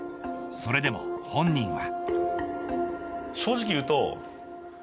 それでも、本人は。